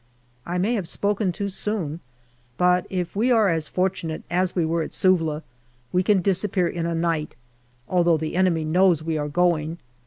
I may have spoken too soon, but if we are as fortunate as we were at Suvla, we can disappear in a night, although the enemy knows we are going.